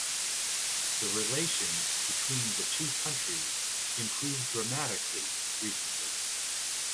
The relations between the two countries improved dramatically recently.